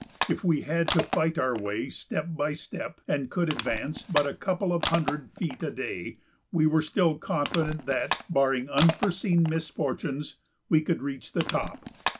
If we had to fight our way step by step and could advance but a couple of hundred feet a day, we were still confident that, barring unforeseeable misfortunes, we could reach the top.